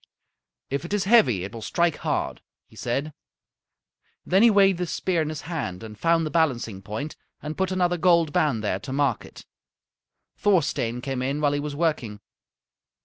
"If it is heavy it will strike hard," he said. Then he weighed the spear in his hand and found the balancing point and put another gold band there to mark it. Thorstein came in while he was working.